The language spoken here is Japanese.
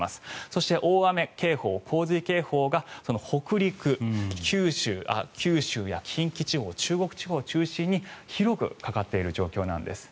そして大雨警報洪水警報が九州や近畿地方中国地方を中心に広くかかっている状況なんです。